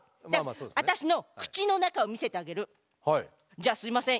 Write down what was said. じゃあすいません